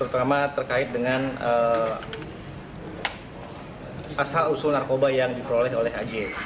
terutama terkait dengan asal usul narkoba yang diperoleh oleh aj